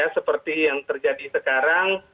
seperti yang terjadi sekarang